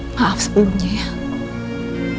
maaf sebelumnya ya